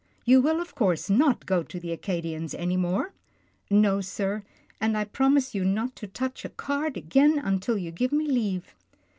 You will, of course, not go to the Acadian's any more? "" No, sir, and I promise you not to touch a card again until you give me leave."